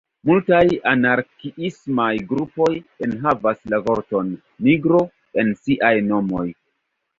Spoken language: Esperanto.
Multaj anarkiismaj grupoj enhavas la vorton "nigro" en siaj nomoj.